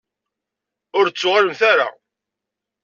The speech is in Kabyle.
Ur d-ttuɣalent ara.